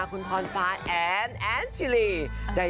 คุณคอนฟ้าแอนด์แอนด์ชิลลี่